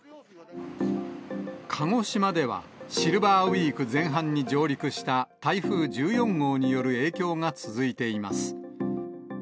鹿児島では、シルバーウィーク前半に上陸した台風１４号による影響が続いています。